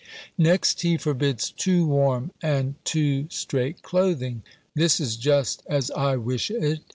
Next, he forbids too warm and too strait clothing. This is just as I wish it.